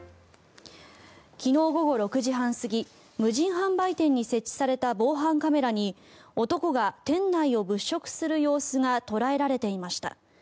昨日午後６時半過ぎ無人販売店に設置された防犯カメラに男が店内を物色する様子が捉えられていました。